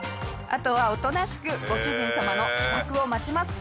あとは、おとなしくご主人様の帰宅を待ちます。